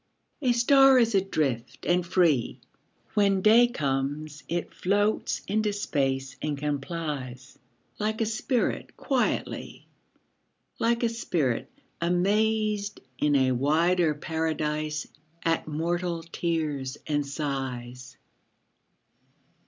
A star is adrift and free. When day comes, it floats into space and com plies ; Like a spirit quietly, Like a spirit, amazed in a wider paradise At mortal tears and sighs.